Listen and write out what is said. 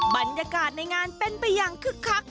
บรรยากาศในงานเป็นไปอย่างคึกคัก